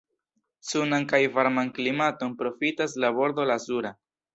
Sunan kaj varman klimaton profitas la Bordo Lazura.